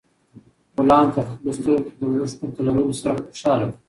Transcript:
غلام په خپلو سترګو کې د اوښکو په لرلو سره خوشاله و.